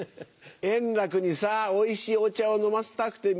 円楽にさおいしいお茶を飲ませたくて。